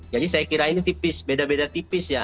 jadi saya kira ini tipis beda beda tipis ya